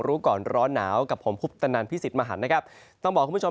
รู้ก่อนร้อนหนาวกับผมคุปตนันพิสิทธิ์มหันนะครับต้องบอกคุณผู้ชม